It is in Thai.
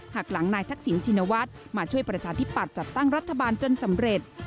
หากหลังนายทักษิณชินวัฒน์มาช่วยประชาธิปัตย์จัดตั้งรัฐบาลจนสำเร็จ